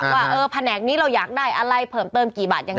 ว่าแผนกนี้เราอยากได้อะไรเพิ่มเติมกี่บาทยังไง